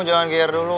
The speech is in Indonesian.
jangan kiyar dulu